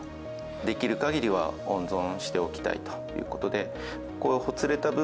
できるかぎりは温存しておきたいということで、こう、ほつれた部